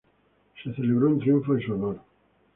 Se celebró un triunfo en su honor.